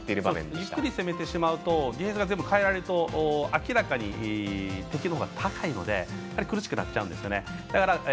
ゆっくり攻めてしまうとディフェンスを変えないと明らかに敵のほうが高いので苦しくなっちゃうんですよね。